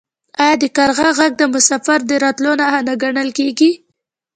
آیا د کارغه غږ د مسافر د راتلو نښه نه ګڼل کیږي؟